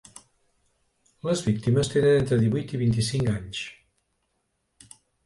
Les víctimes tenen entre divuit i vint-i-cinc anys.